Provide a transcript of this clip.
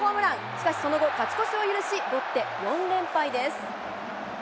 しかしその後、勝ち越しを許し、ロッテ、４連敗です。